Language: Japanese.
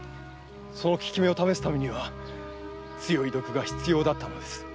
その効き目を試すためには強い毒が必要だったのです。